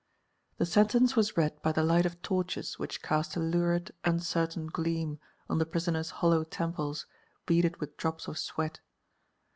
The sentence was read by the light of torches which cast a lurid, uncertain gleam on the prisoner's hollow temples beaded with drops of sweat.